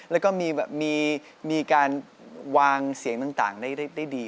แล้วก็มีการวางเสียงต่างได้ดี